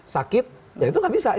sakit ya itu nggak bisa